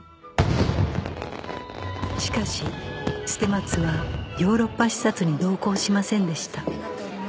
しかし捨松はヨーロッパ視察に同行しませんでした